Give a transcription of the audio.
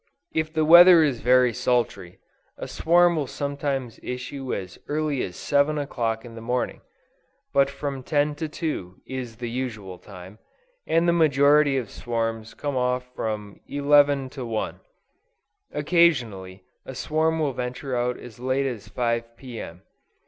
If the weather is very sultry, a swarm will sometimes issue as early as 7 o'clock in the morning; but from 10 to 2, is the usual time, and the majority of swarms come off from 11 to 1. Occasionally, a swarm will venture out as late as 5 P. M.